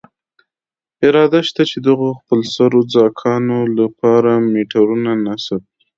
اراده شته، چې دغو خپلسرو څاګانو له پاره میټرونه نصب.